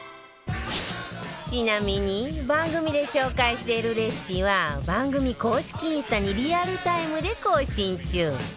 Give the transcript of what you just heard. ちなみに番組で紹介しているレシピは番組公式インスタにリアルタイムで更新中